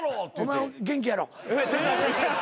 お前元気やろ。